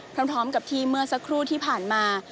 พร้อมกับที่เมื่อสักครู่ที่ผ่านมา